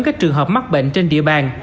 các trường hợp mắc bệnh trên địa bàn